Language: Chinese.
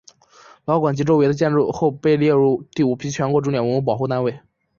老馆及其周围的建筑群后被列入第五批全国重点文物保护单位。